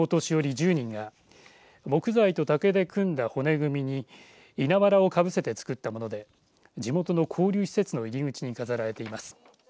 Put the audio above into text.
１０人が木材と竹で組んだ骨組みに稲わらをかぶせて作ったもので地元の交流施設の入り口に飾られています。